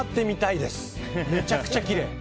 めちゃくちゃきれい。